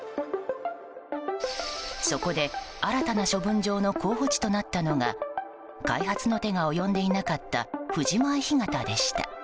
そこで、新たな処分場の候補地となったのが開発の手が及んでいなかった藤前干潟でした。